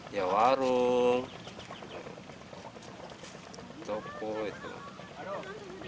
ya warung toko itu